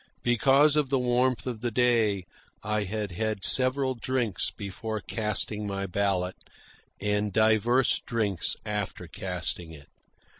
Because of the warmth of the day I had had several drinks before casting my ballot, and divers drinks after casting it.